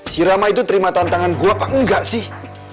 si rama itu terima tantangan gue apa enggak sih